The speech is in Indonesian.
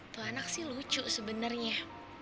tuanak sih lucu sebenernya